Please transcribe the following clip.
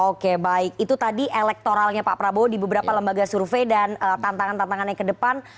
oke baik itu tadi elektoralnya pak prabowo di beberapa lembaga survei dan tantangan tantangannya ke depan